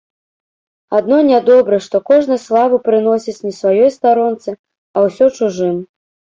Адно нядобра, што кожны славу прыносіць не сваёй старонцы, а ўсё чужым.